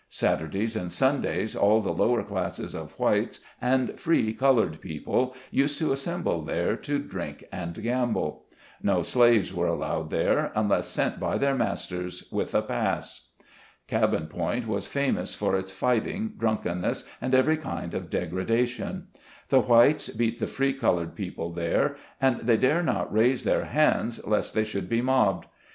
Sat urdays and Sundays, all the lower class of whites and free colored people used to assemble there, to drink and gamble. No slaves were allowed there, unless sent by their masters, with a pass. "Cabin Point" was famous for its fighting, drunk enness, and every kind of degradation. The whites beat the free colored people there, and they dare not raise their hands, lest they should be mobbed.